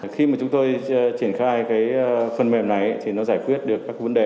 khi mà chúng tôi triển khai cái phần mềm này thì nó giải quyết được các vấn đề